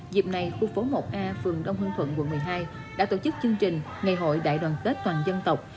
dịp này khu phố một a phường đông hương thuận quận một mươi hai đã tổ chức chương trình ngày hội đại đoàn kết toàn dân tộc